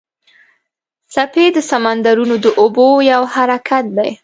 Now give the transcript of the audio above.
څپې د سمندرونو د اوبو یو حرکت دی.